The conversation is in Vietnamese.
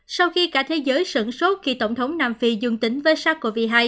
sau khi cả thế giới sẩn sốt khi tổng thống nam phi dương tính với sars cov hai